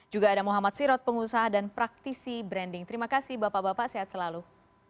juga ada muhammad sirot pengusaha dan praktisi branding terima kasih bapak bapak sehat selalu